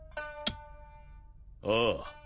ああ。